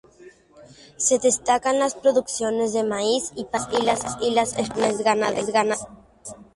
Se destacan las producciones de maíz y patatas, y las explotaciones ganaderas.